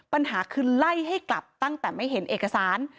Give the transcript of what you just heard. ปัญหาคือไล่ให้กลับตั้งแต่ไม่เห็นเอกสาร